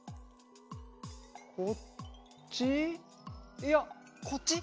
いやこっち？